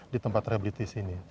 di tempat rehabilitasi ini